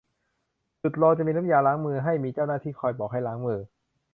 จุดรอจะมีน้ำยาล้างมือให้ มีเจ้าหน้าที่คอยบอกให้ล้างมือ